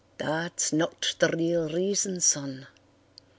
"That's not the real reason, son.